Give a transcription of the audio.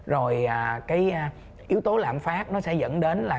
rồi cái yếu tố lạm phát nó sẽ dẫn đến là